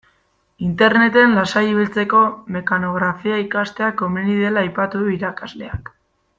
Interneten lasai ibiltzeko mekanografia ikastea komeni dela aipatu du irakasleak.